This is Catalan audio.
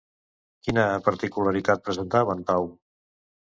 Quina peculiaritat presentava en Pau?